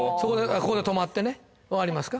ここで止まってね分かりますか？